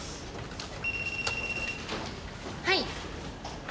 はい。